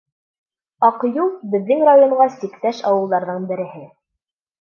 Аҡъюл — беҙҙең районға сиктәш ауылдарҙың береһе.